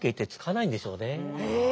へえ。